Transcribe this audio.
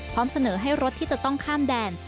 พร้อมเสนอให้รถที่จะต้องข้ามแดน